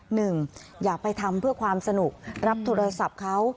อย่าไปทำเพื่อความสนุกรับโทรศัพท์เขา